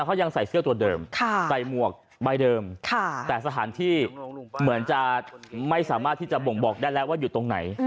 เขายังใส่เสื้อตัวเดิมใส่หมวกใบเดิมแต่สถานที่เหมือนจะไม่สามารถที่จะบ่งบอกได้แล้วว่าอยู่ตรงไหน